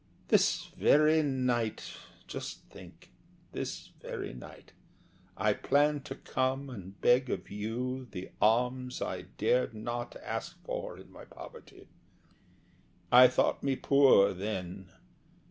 This very night just think, this very night I planned to come and beg of you the alms I dared not ask for in my poverty. I thought me poor then.